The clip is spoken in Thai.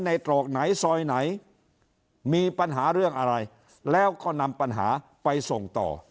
ตรอกไหนซอยไหนมีปัญหาเรื่องอะไรแล้วก็นำปัญหาไปส่งต่อ